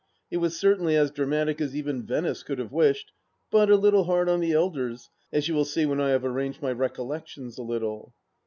It was certainly as dramatic as even Venice could have wished, but a little hard on the elders, as you will see when I have arranged my recollections a little.